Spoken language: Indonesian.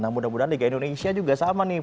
nah mudah mudahan liga indonesia juga sama nih